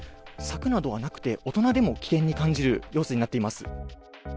柵などはなくて、大人でも危険に感じる用水になっています。